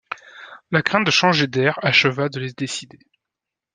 La crainte de changer d’air acheva de les décider.